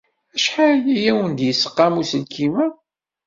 Acḥal ay awen-d-yesqam uselkim-a?